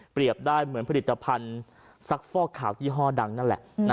ได้เหมือนผลิตภัณฑ์ซักฟอกขาวยี่ห้อดังนั่นแหละ